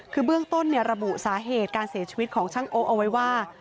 คือเบื้องต้นระบุสาเหตุการเสียชีวิตของช่างโอ๊คเอาไว้ว่า